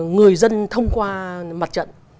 người dân thông qua mặt trận